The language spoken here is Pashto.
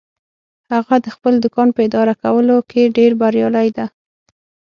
هغه د خپل دوکان په اداره کولو کې ډیر بریالی ده